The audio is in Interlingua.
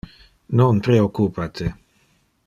Non preoccupa te.